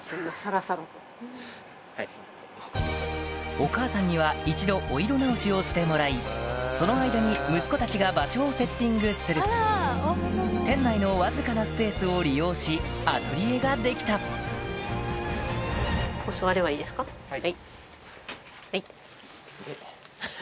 お母さんには一度お色直しをしてもらいその間に息子たちが場所をセッティングする店内のわずかなスペースを利用しアトリエができたはい。